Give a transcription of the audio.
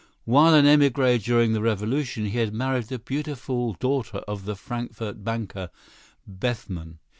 While an émigré during the revolution, he had married the beautiful daughter of the Frankfort banker, Bethman.